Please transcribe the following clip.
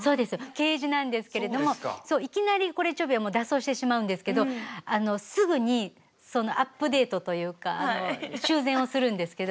ケージなんですけれどもいきなりこれちょびは脱走してしまうんですけどすぐにアップデートというか修繕をするんですけど。